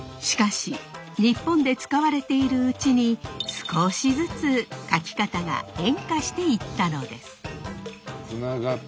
しかし日本で使われているうちに少しずつ書き方が変化していったのです。